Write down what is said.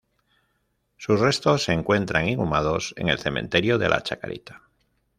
Sus restos se encuentran inhumados en el Cementerio de la Chacarita.